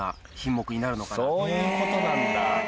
そういうことなんだ。